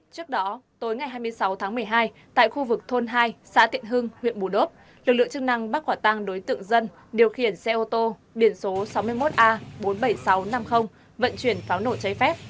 trước đó tối ngày hai mươi sáu tháng một mươi hai tại khu vực thôn hai xã tiện hưng huyện bù đốp lực lượng chức năng bắt quả tăng đối tượng dân điều khiển xe ô tô biển số sáu mươi một a bốn mươi bảy nghìn sáu trăm năm mươi vận chuyển pháo nổ cháy phép